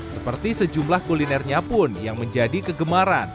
seperti sejumlah kulinernya pun yang menjadi kegemaran